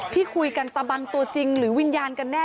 ที่คุยกันตะบังตัวจริงหรือวิญญาณกันแน่